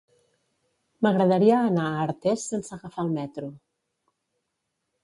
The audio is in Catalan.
M'agradaria anar a Artés sense agafar el metro.